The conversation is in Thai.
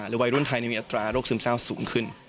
วัยรุ่นไทยมีอัตราโรคซึมเศร้าสูงขึ้น